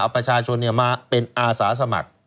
ประชาชนมาเป็นอาสาสมัคร